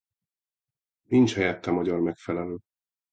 Nincs helyette magyar megfelelő.